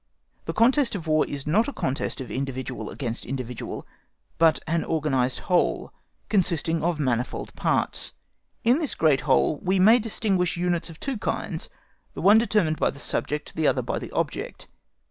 The contest in War is not a contest of individual against individual, but an organised whole, consisting of manifold parts; in this great whole we may distinguish units of two kinds, the one determined by the subject, the other by the object.